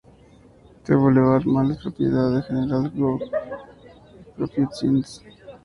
The Boulevard Mall es propiedad de General Growth Properties Inc.